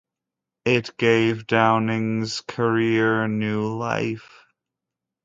It gave Downing's career new life.